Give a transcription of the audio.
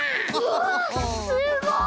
わすごい！